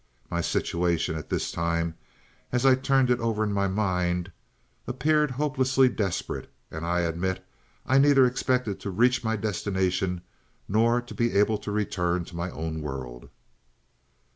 My situation at this time, as I turned it over in my mind, appeared hopelessly desperate, and I admit I neither expected to reach my destination nor to be able to return to my own world.